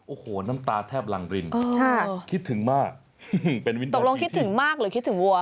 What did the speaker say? โอ้โหน้ำตาแทบหลังรินคิดถึงมากเป็นวินตกลงคิดถึงมากหรือคิดถึงวัว